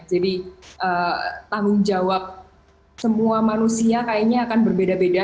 jadi tanggung jawab semua manusia kayaknya akan berbeda beda